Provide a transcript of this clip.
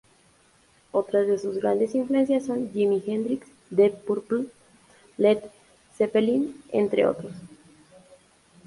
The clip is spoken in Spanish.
Otras de sus grandes influencias son Jimi Hendrix, Deep Purple, Led Zeppelin, entre otros.